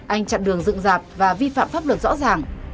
anh chặn đường dựng dạp và vi phạm pháp luật rõ ràng